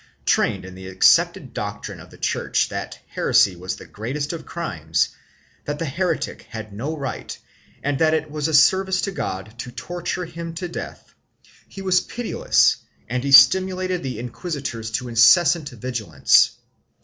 Trained in the accepted doctrine of the Church that heresy was the greatest of crimes, that the heretic had no rights and that it was a service to God to torture him to death, he was pitiless and he stimulated the inquisitors to incessant vigilance.